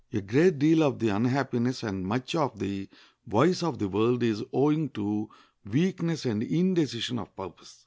A great deal of the unhappiness and much of the vice of the world is owing to weakness and indecision of purpose.